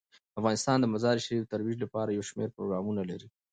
افغانستان د مزارشریف د ترویج لپاره یو شمیر پروګرامونه لري.